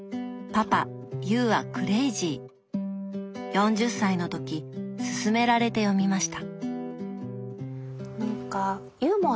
４０歳の時すすめられて読みました。